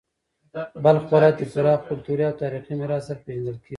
بلخ ولایت د پراخ کلتوري او تاریخي میراث سره پیژندل کیږي.